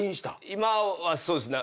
今はそうですね。